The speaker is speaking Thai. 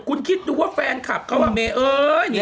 คุณคิดดูว่าแฟนคลับเขาอ่ะเมเอ้ย